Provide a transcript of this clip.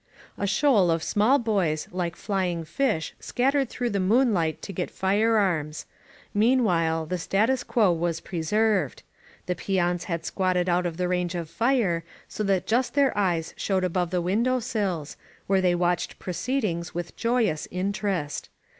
'' A shoal of small boys like flying fish scattered through the moonlight to get firearms. Meanwhile, the status quo was preserved. The peons had squatted out of the range of fire, so that just their eyes showed above the window sills, where they watched proceed ings with joyous interest.